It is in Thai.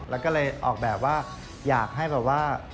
แล้วก็เลยออกแบบว่าอยากให้แบบว่า